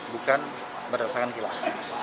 bukan berdasarkan kilah